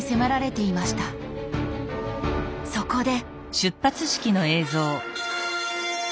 そこで！